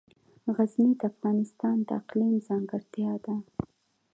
غزني د افغانستان د اقلیم ځانګړتیا ده.